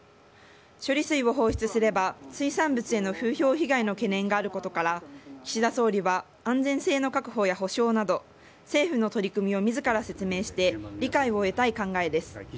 処理水を放出すれば、水産物への風評被害の懸念があることから、岸田総理は安全性の確保や補償など、政府の取り組みをみずから説明して、理解を得たい考えです。